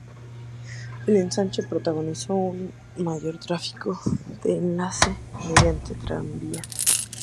El ensanche protagonizó un mayor tráfico de enlace mediante tranvía.